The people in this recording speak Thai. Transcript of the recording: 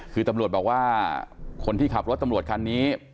คือตำรวจบอกว่าคนที่ขับรถตำรวจคันนี้